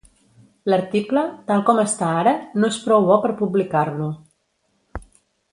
L'article, tal com està ara, no és prou bo per publicar-lo.